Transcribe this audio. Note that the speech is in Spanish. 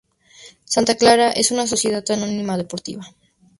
Santa Clara es una sociedad anónima deportiva.